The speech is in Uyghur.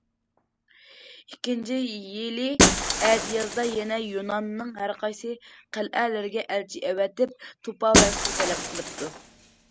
ئىككىنچى يىلى ئەتىيازدا، يەنە يۇناننىڭ ھەرقايسى قەلئەلىرىگە ئەلچى ئەۋەتىپ« توپا ۋە سۇ» تەلەپ قىلىپتۇ.